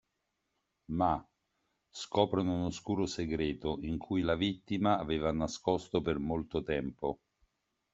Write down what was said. Ma, scoprono un oscuro segreto in cui la vittima aveva nascosto per molto tempo.